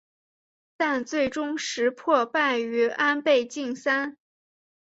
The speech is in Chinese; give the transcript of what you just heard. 但最终石破败于安倍晋三。